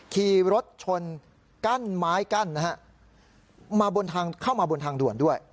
ขี่รถชนกั้นไม้กั้นมาบนทางเข้ามาบนทางด่วนด้วย